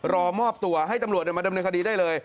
รอมอบตัวให้ตำรวจมาดำเนินคดีได้เลย